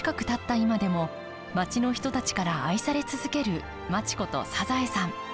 今でも町の人たちから愛され続ける町子と「サザエさん」。